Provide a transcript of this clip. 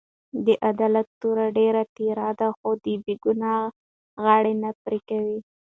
د عدالت توره ډېره تېره ده؛ خو د بې ګناه غاړه نه پرې کوي.